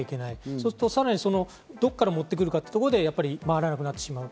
そうなると、どこから持ってくるかというところで回らなくなってしまう。